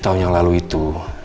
lima tahun yang lalu itu